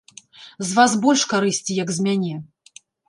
З вас больш карысці, як з мяне.